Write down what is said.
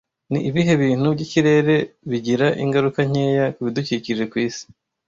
Ni ibihe bintu by'ikirere bigira ingaruka nkeya ku bidukikije ku isi